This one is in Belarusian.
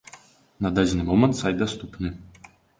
На дадзены момант сайт даступны.